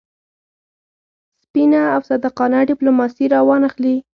سپینه او صادقانه ډیپلوماسي را وانه خلي.